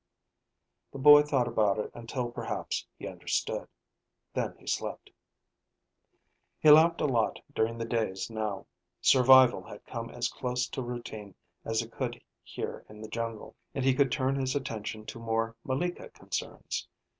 The boy thought about it until perhaps he understood. Then he slept. He laughed a lot during the days now. Survival had come as close to routine as it could here in the jungle, and he could turn his attention to more malika concerns.